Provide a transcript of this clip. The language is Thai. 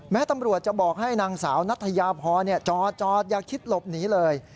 ตำรวจจะบอกให้นางสาวนัทยาพรจอดอย่าคิดหลบหนีเลย